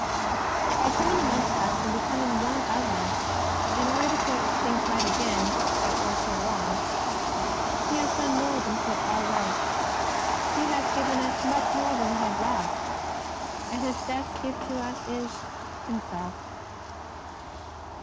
By coming amongst us and becoming one of us, in order to put right again what was so wrong. He has done more than put all right. He has given us much more than we had lost. And His best gift to us is — Himself.